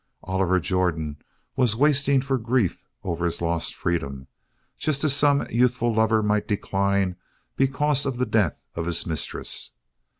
Oliver Jordan was wasting for grief over his lost freedom just as some youthful lover might decline because of the death of his mistress.